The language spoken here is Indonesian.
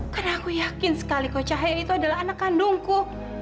karena aku yakin sekali kok cahaya itu adalah anak kandungku